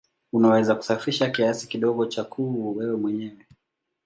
Unaweza kusafisha kiasi kidogo cha kuvu wewe mwenyewe.